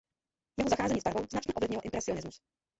Jeho zacházení s barvou značně ovlivnilo impresionismus.